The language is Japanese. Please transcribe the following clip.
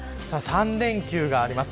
３連休があります。